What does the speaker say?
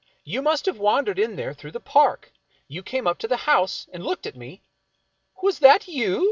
You must have wandered in there through the park; you came up to the house and looked at me " "Was that you?"